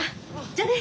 じゃあね。